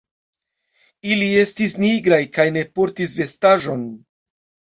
Ili estis nigraj, kaj ne portis vestaĵon.